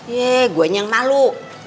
yee gue yang malu